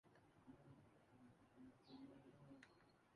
اپنی تعریف بہت کم کرتا ہوں